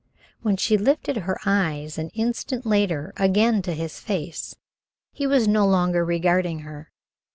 When she lifted her eyes an instant later again to his face, he was no longer regarding her.